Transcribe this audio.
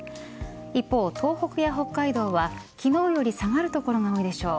一方、東北や北海道は昨日より下がる所が多いでしょう。